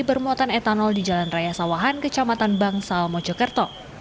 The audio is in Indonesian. bermuatan etanol di jalan raya sawahan kecamatan bangsal mojokerto